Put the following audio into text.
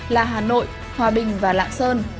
là hà nội hòa bình và lạng sơn